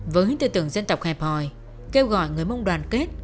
với tư tưởng dân tộc hẹp hòi kêu gọi người mông đoàn kết